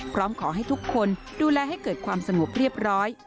พร้อมขอให้ทุกคนดูแลให้เกิดความสงบเรียบร้อย